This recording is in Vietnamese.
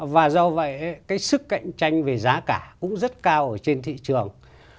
và do vậy cái sức cạnh tranh về giá cả cũng rất cao ở trên thị trường